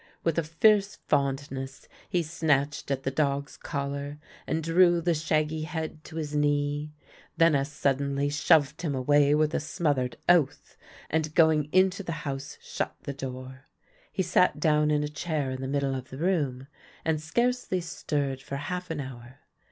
With a fierce fondness he snatched at the dog's collar, and drew the shaggy head to his knee; then as suddenly shoved him away with a smothered oath, and going into the house, shut the door. He sat down in a chair in the middle of the room, and scarcely stirred for half an hour.